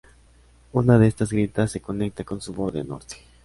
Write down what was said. Uno de estas grietas se conecta con su borde norte.